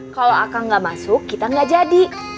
kalau akang gak masuk kita gak jadi